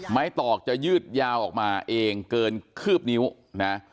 ตอกจะยืดยาวออกมาเองเกินคืบนิ้วนะ